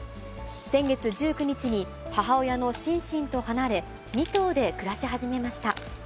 先月１９日に母親のシンシンと離れ、２頭で暮らし始めました。